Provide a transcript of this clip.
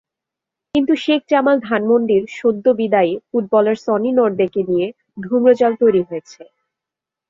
কিন্তু শেখ জামাল ধানমন্ডির সদ্য বিদায়ী ফুটবলার সনি নর্দেকে নিয়ে ধূম্রজাল তৈরি হয়েছে।